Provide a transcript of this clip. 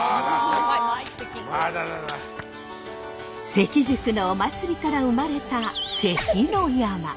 関宿のお祭りから生まれた「関の山」。